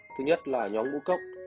thứ nhất là nhóm ngũ cốc